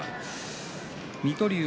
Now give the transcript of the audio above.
水戸龍